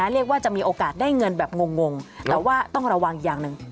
เรียกว่าจะมีโอกาสได้เงินแบบงงแต่ว่าต้องระวังอีกอย่างหนึ่ง